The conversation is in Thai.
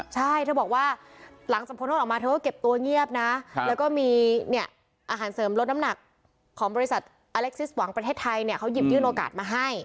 ใช่เธอบอกว่าหลังจากพ้นโทษออกมาเธอก็เก็บตัวเงียบนะแล้วก็มีเนี่ยอาหารเสริมลดน้ำหนักของบริษัทอเล็กซิสหวังประเทศไทยเนี่ยเขาหยิบยื่นโอกาสมาให้